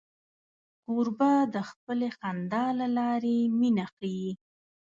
کوربه د خپلې خندا له لارې مینه ښيي.